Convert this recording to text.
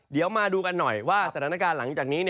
เดี๋ยวมาดูกันหน่อยว่าสถานการณ์หลังจากนี้